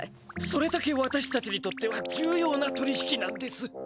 それだけわたしたちにとってはじゅうような取り引きなんです。